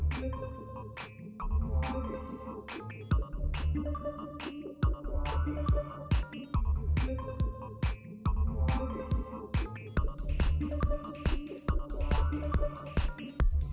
โปรดติดตามตอนต่อไป